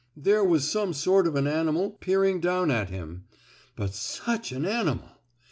There was some sort of an animal peering down at him. But such an animal!